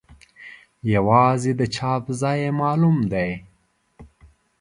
یوازې د چاپ ځای یې معلوم دی.